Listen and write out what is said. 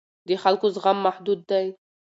د خلکو زغم محدود دی